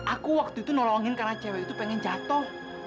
aku waktu itu nolongin karena cewek itu pengen jatuh